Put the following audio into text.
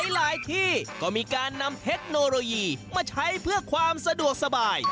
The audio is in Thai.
หลายที่ก็มีการนำเทคโนโลยีมาใช้เพื่อความสะดวกสบาย